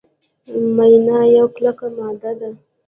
مینا یوه کلکه ماده ده.